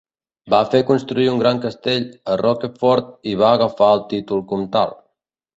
Va fer construir un gran castell a Rochefort i va agafar el títol comtal.